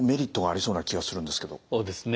そうですね。